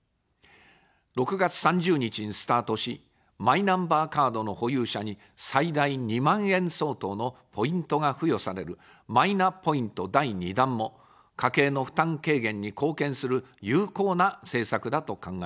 ６月３０日にスタートし、マイナンバーカードの保有者に最大２万円相当のポイントが付与される、マイナポイント第２弾も家計の負担軽減に貢献する有効な政策だと考えます。